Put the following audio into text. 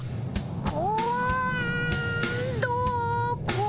こんどこそ。